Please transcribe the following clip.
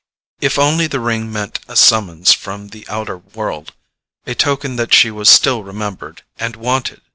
If only the ring meant a summons from the outer world—a token that she was still remembered and wanted!